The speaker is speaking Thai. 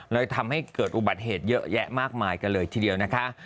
เลยทำให้เกิดอุบัติเหตุเยอะแยะมากมายกันเลยทีเดียวนะคะ